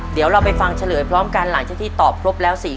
เดี๋ยวเราไปฟังเฉลยพร้อมกันหลังจากที่ตอบครบแล้ว๔๐๐